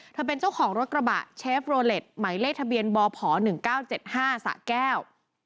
เป็นเจ้าของรถกระบะเชฟโรเล็ตหมายเลขทะเบียนบพ๑๙๗๕สะแก้ว